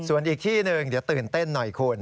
ส่วนอีกที่หนึ่งเดี๋ยวตื่นเต้นหน่อยคุณ